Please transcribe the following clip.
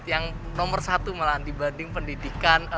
yang nomor satu malahan dibanding pendidikan